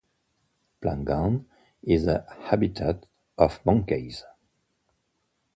Plangon is a habitat of monkeys.